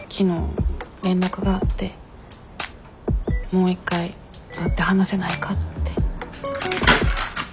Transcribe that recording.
もう一回会って話せないかって。